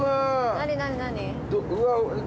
何？